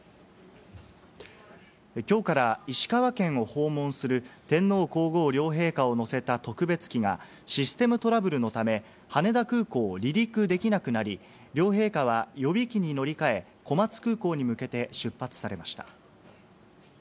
きょうから石川県を訪問する天皇皇后両陛下を乗せた特別機がシステムトラブルのため、羽田空港を離陸できなくなり、両陛下は予備機に乗り換え、小松空港に向けて出発されました。